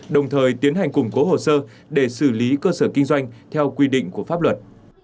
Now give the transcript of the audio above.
đồng thời tiến hành củng cố hồ sơ để xử lý cơ sở kinh doanh theo quy định của pháp luật